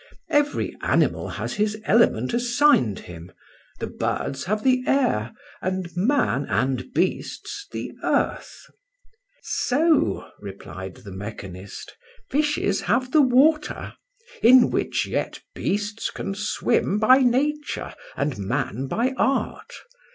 Every animal has his element assigned him; the birds have the air, and man and beasts the earth." "So," replied the mechanist, "fishes have the water, in which yet beasts can swim by nature and man by art.